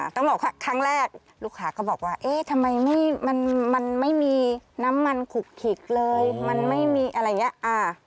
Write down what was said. ต้องบอกว่าครั้งแรกลูกค้าก็บอกว่าเอ๊ะทำไมมันไม่มีน้ำมันขุกขิกเลยมันไม่มีอะไรอย่างนี้